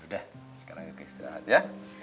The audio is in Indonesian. udah sekarang lagi istirahat ya